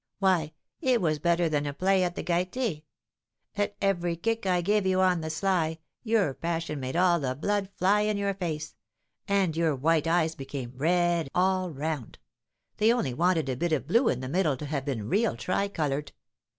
Why, it was better than a play at the Gaîté. At every kick I gave you on the sly, your passion made all the blood fly in your face, and your white eyes became red all round; they only wanted a bit of blue in the middle to have been real tri coloured.